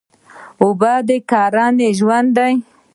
اوبه د کرنې ژوند دی.